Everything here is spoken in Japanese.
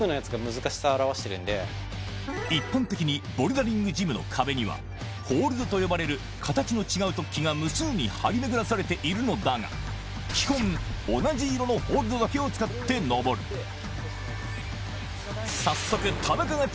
一般的にボルダリングジムの壁にはホールドと呼ばれる形の違う突起が無数に張り巡らされているのだが基本同じ色のホールドだけを使って登る早速